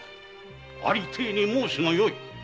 ありていに申すがよい。